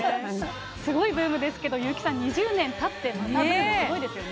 すごいブームですけど、優木さん、２０年たって、またブーム、すごいですよね。